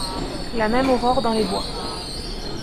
La même aurore dans les bois ;